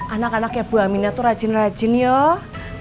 anak anak ya bu aminah tuh rajin rajin yuk